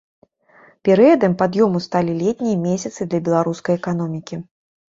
Перыядам пад'ёму сталі летнія месяцы для беларускай эканомікі.